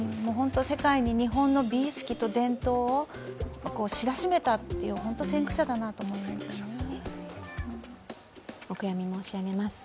世界に日本の美意識と伝統を知らしめたという先駆者だなと思いますね。